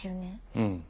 うん。